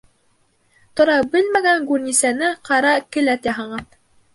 Тора белмәгән гүрнисәне ҡара келәт яһаған.